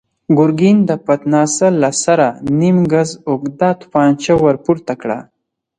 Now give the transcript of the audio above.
ګرګين د پتناسه له سره نيم ګز اوږده توپانچه ور پورته کړه.